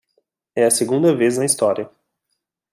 É a segunda vez na história